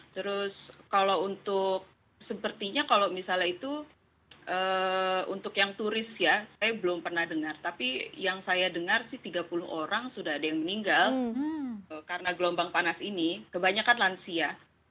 terus kalau untuk sepertinya kalau misalnya itu untuk yang turis ya saya belum pernah dengar tapi yang saya dengar sih tiga puluh orang sudah ada yang meninggal karena gelombang panas ini kebanyakan lansia